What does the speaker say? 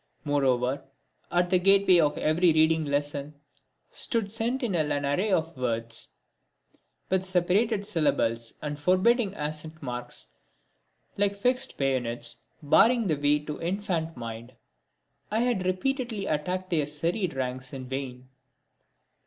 Moreover, at the gateway of every reading lesson stood sentinel an array of words, with separated syllables, and forbidding accent marks like fixed bayonets, barring the way to the infant mind. I had repeatedly attacked their serried ranks in vain.